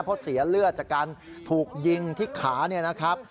เพราะเสียเลือดจากการถูกยิงที่ขาเนี่ยนะครับ